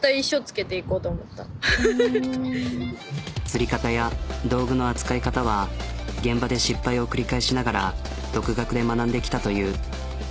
釣り方や道具の扱い方は現場で失敗を繰り返しながら独学で学んできたという。